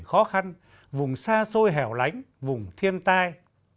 khó khăn vùng xa xôi hẻo lánh vùng thiên tai